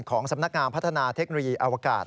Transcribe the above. ของสำนักงานพัฒนาเทคโนโลยีอวกาศ